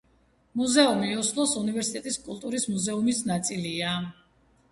მუზეუმი ოსლოს უნივერსიტეტის კულტურის მუზეუმის ნაწილია.